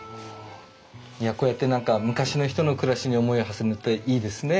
いやこうやって何か昔の人の暮らしに思いをはせるのっていいですね。